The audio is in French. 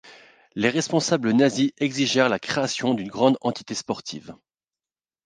Les responsables nazis exigèrent la création d’une grande entité sportive.